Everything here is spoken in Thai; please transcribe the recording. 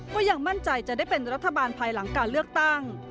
ก็ยังมั่นใจจะได้เป็นรัฐบาลภายหลังการเลือกตั้ง